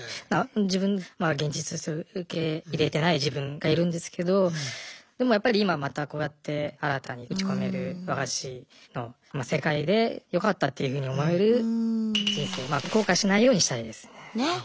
自分まだ現実として受け入れてない自分がいるんですけどでもやっぱり今またこうやって新たに打ち込める和菓子の世界でよかったっていうふうに思える人生後悔しないようにしたいですね。ね。